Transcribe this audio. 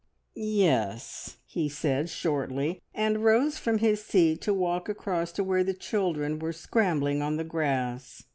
"Yes," he said shortly, and rose from his seat to walk across to where the children were scrambling on the grass.